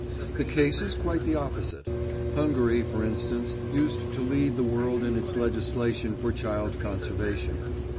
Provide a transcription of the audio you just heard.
The case is quite the opposite. Hungary, for instance, used to lead the world in its legislation for child conservation.